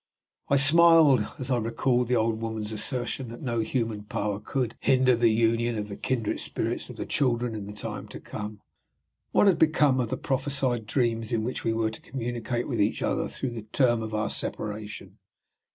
I smiled as I recalled the old woman's assertion that no human power could "hinder the union of the kindred spirits of the children in the time to come." What had become of the prophesied dreams in which we were to communicate with each other through the term of our separation?